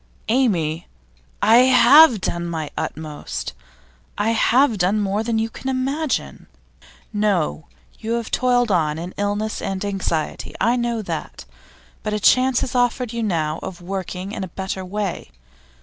'Amy, I have done my utmost. I have done more than you can imagine.' 'No. You have toiled on in illness and anxiety I know that. But a chance is offered you now of working in a better way.